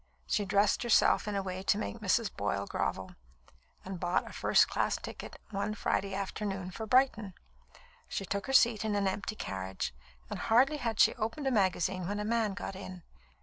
She dressed herself in a way to make Mrs. Boyle grovel, and bought a first class ticket, one Friday afternoon, for Brighton. She took her seat in an empty carriage, and hardly had she opened a magazine when a man got in.